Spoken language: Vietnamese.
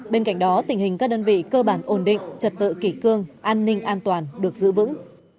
bên cạnh đó tình hình các đơn vị cơ bản ổn định trật tự kỷ cương an ninh an toàn được giữ vững